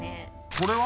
これは？